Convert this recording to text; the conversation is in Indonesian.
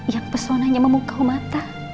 yang personanya memukau mata